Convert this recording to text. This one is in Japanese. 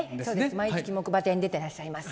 毎月木馬亭に出てらっしゃいます。